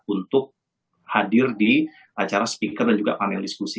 untuk hadir di acara speaker dan juga panel diskusi